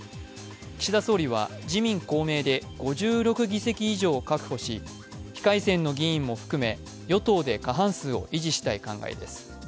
岸田総理は、自民・公明で５６議席以上を確保し非改選の議員も含め、与党で過半数を維持したい考えです。